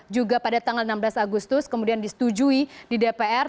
juga pada tanggal enam belas agustus kemudian disetujui di dpr